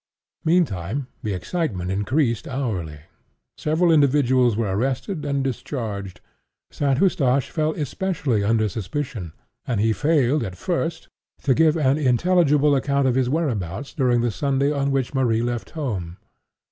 Meantime, the excitement increased hourly. Several individuals were arrested and discharged. St. Eustache fell especially under suspicion; and he failed, at first, to give an intelligible account of his whereabouts during the Sunday on which Marie left home.